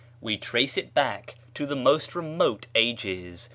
We trace it back to the most remote ages.